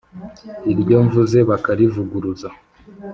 iryo mvuze bakarivuguruza